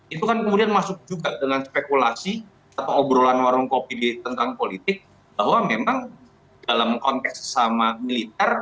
itu kan kemudian masuk juga dengan spekulasi atau obrolan warung kopi tentang politik bahwa memang dalam konteks sesama militer